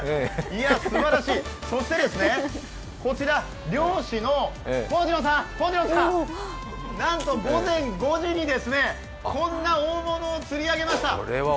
すばらしい、漁師の康洋さん、なんと午前５時にこんな大物を釣り上げました。